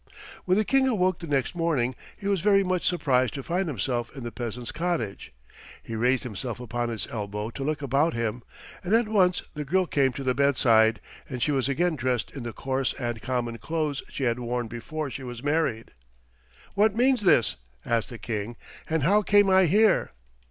When the King awoke the next morning he was very much surprised to find himself in the peasant's cottage. He raised himself upon his elbow to look about him, and at once the girl came to the bedside, and she was again dressed in the coarse and common clothes she had worn before she was married. "What means this?" asked the King, "and how came I here?"